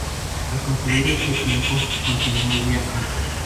Al concluir este tiempo, continuó el viaje.